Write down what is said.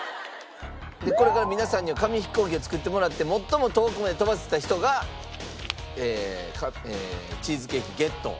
これから皆さんには紙飛行機を作ってもらって最も遠くまで飛ばせた人がチーズケーキゲット。